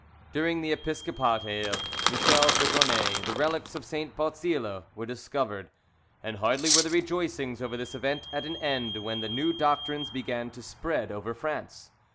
During the episcopate of Michel Briconnet the relics of St. Bauzile were discovered, and hardly were the rejoicings over this event at an end when the new doctrines began to spread over France.